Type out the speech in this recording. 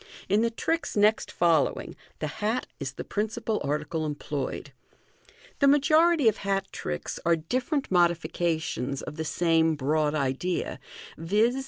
In the tricks next following the hat is the principal article employed The majority of hat tricks are different modifications of the same broad idea, viz.